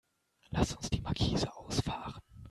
Lass uns die Markise ausfahren.